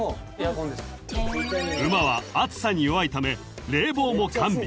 ［馬は暑さに弱いため冷房も完備］